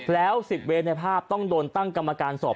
แล้ว๑๐เวรในภาพต้องโดนตั้งกรรมการสอบ